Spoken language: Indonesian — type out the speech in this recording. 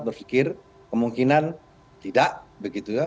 berpikir kemungkinan tidak begitu ya